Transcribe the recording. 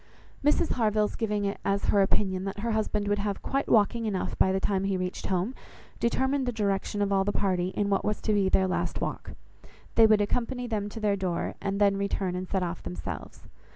Mrs Harville's giving it as her opinion that her husband would have quite walking enough by the time he reached home, determined the direction of all the party in what was to be their last walk; they would accompany them to their door, and then return and set off themselves.